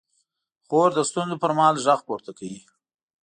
خور د ستونزو پر مهال غږ پورته کوي.